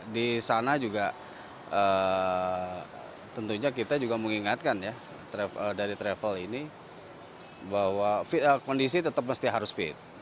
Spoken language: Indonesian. di sana juga tentunya kita juga mengingatkan ya dari travel ini bahwa kondisi tetap mesti harus fit